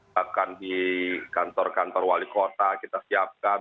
bahkan di kantor kantor wali kota kita siapkan